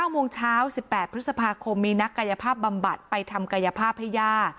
โมงเช้า๑๘พฤษภาคมมีนักกายภาพบำบัดไปทำกายภาพให้ย่า